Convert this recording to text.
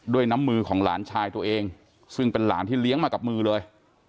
ด้วยน้ำมือของหลานชายตัวเองซึ่งเป็นหลานที่เลี้ยงมากับมือเลย